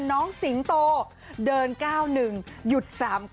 สิงโตเดิน๙๑หยุด๓๙